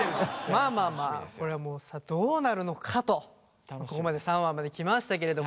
まあまあまあこれはもうさどうなるのかとここまで３話まで来ましたけれどもついに４話！